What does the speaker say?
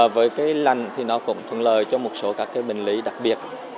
với cái lạnh thì nó cũng thuận lợi cho một số các cái bệnh lý đặc biệt